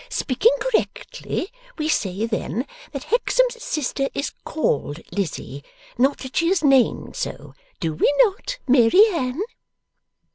'Speaking correctly, we say, then, that Hexam's sister is called Lizzie; not that she is named so. Do we not, Mary Anne?